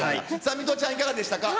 水卜ちゃん、いかがでしたか。